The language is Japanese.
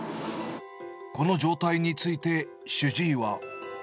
この状態について、主治医は。